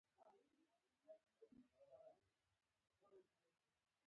دوه اړخیزه خبرې يا مذاکرات.